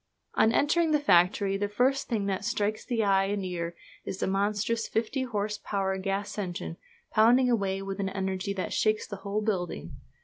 On entering the factory the first thing that strikes the eye and ear is the monstrous fifty horse power gas engine, pounding away with an energy that shakes the whole building.